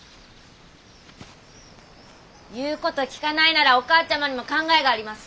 言う事聞かないならお母ちゃまにも考えがあります。